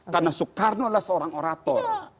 karena soekarno adalah seorang orator